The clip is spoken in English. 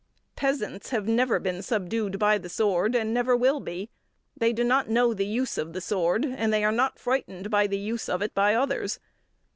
Peasants have never been subdued by the sword, and never will be. They do not know the use of the sword, and they are not frightened by the use of it by others.